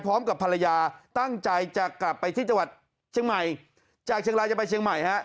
พร้อมกับภรรยาตั้งใจจะกลับไปที่จังหวัดเชียงใหม่จากเชียงรายจะไปเชียงใหม่ฮะ